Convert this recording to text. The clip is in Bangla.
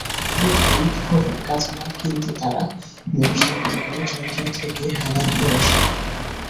প্রতিদিন ভোরে কাঁচামাল কিনতে তাঁরা মোটরসাইকেলে করে চন্দ্রা থেকে হেমায়েতপুর আসেন।